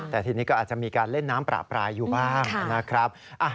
แต่ทีนี้ก็อาจจะมีการเล่นน้ำประปรายอยู่บ้างนะครับ